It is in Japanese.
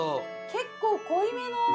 結構濃いめの。